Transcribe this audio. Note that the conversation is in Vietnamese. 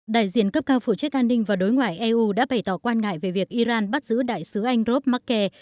đại diện cấp cao phủ chức an ninh và đối ngoại eu đã bày tỏ quan ngại về việc iran bắt giữ đại sứ anh rob markey